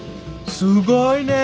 すごいね！